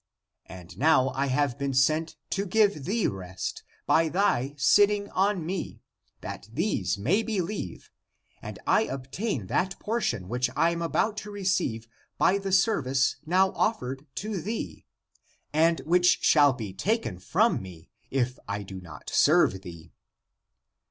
^ And now I have been sent to give thee rest by thy sitting on me, that these may believe and I obtain that portion which I am about to receive by the service now offered to thee, and which shall be taken from me, if I do not serve thee."